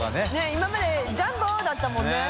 今まで「ジャンボ」だったもんね。